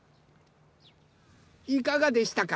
いかがでしたか？